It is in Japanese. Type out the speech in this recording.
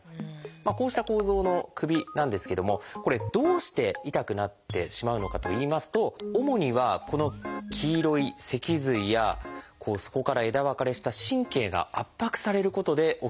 こうした構造の首なんですけどもこれどうして痛くなってしまうのかといいますと主にはこの黄色い脊髄やそこから枝分かれした神経が圧迫されることで起きているんです。